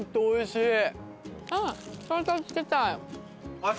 おいしい。